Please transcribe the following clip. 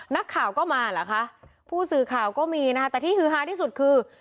นักข่าวก็มาเหรอคะผู้สื่อข่าวก็มีนะคะแต่ที่ฮือฮาที่สุดคือ